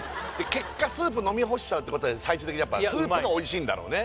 結果スープ飲み干しちゃうってことは最終的にやっぱりスープが美味しいんだろうね